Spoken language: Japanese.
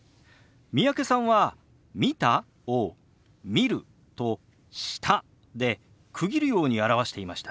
三宅さんは「見た？」を「見る」と「した」で区切るように表していましたね。